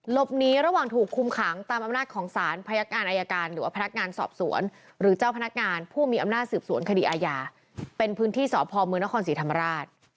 หลบหนีระหว่างถูกคุมขังตามอำนาจของสารพนักงานอายการหรือว่าพนักงานสอบสวนหรือเจ้าพนักงานผู้มีอำนาจสืบสวนคดีอาญาเป็นพื้นที่สพมนครศรีธรรมราช